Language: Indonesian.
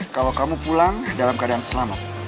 kalau kamu pulang dalam keadaan selamat